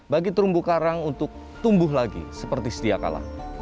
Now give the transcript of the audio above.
bagi terumbu karang untuk tumbuh lagi seperti setiap kalah